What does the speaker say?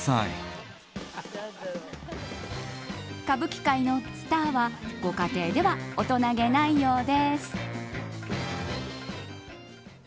歌舞伎界のスターはご家庭では大人げないようです。